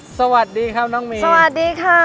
สวัสดีครับน้องมินสวัสดีค่ะ